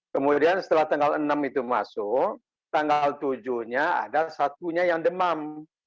kemudian setelah tanggal enam itu masuk tanggal tujuh nya ada satunya yang demam